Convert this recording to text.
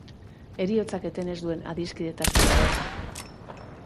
Heriotzak eten ez duen adiskidetasun ederra.